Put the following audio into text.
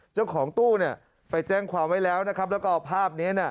เจ้าของตู้ไปแจ้งความไว้แล้วนะครับแล้วก็เอาภาพนี้